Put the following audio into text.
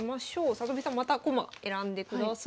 里見さんまた駒選んでください。